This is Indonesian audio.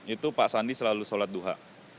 itu pak sandi selalu sholat duha